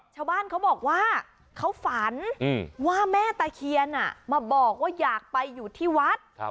ชาวบ้านเขาบอกว่าเขาฝันว่าแม่ตะเคียนมาบอกว่าอยากไปอยู่ที่วัด